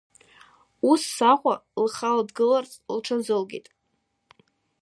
Ус Саҟәа лхала длыргыларц лҽазылкит.